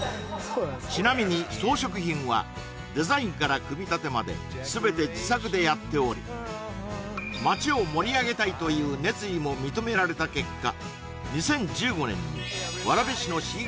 ちなみに装飾品はデザインから組み立てまで全て自作でやっており街を盛り上げたいという熱意も認められた結果